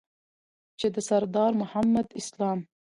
چې د سردار محمد اسلام